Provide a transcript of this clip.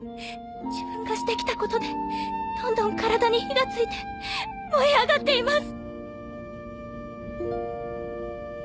自分がして来たことでどんどん体に火が付いて燃え上がっています！